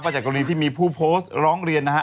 จากกรณีที่มีผู้โพสต์ร้องเรียนนะฮะ